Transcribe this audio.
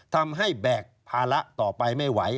ทำให้แบ่งภาระต่อไปไม่ไหว